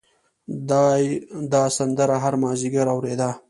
دای دا سندره هر مازدیګر اورېده.